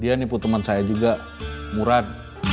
dia nipu teman saya juga murad